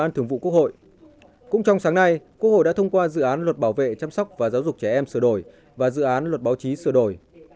cũng trong sáng nay quốc hội đã thông qua dự án luật bảo vệ chăm sóc và giáo dục trẻ em sửa đổi và dự án luật báo chí sửa đổi